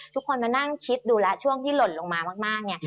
ทุกคนมานั่งคิดดูแล้วช่วงที่หล่นลงมามากเนี่ย